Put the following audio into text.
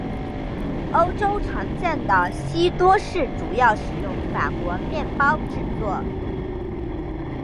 欧洲常见的西多士主要使用法国面包制作。